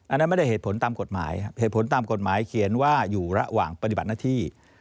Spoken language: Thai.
อันนั้นไม่ได้เหตุผลตามกฎหมายเหตุผลตามกฎหมายเขียนว่าอยู่ระหว่างปฏิบัติหน้าที่